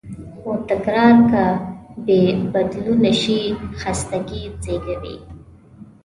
خو تکرار که بېبدلونه شي، خستګي زېږوي.